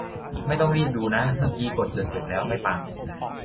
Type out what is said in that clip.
ไม่ต้องรีบดูนะ เมื่อกี้กดจนจบแล้ว ไม่ปัง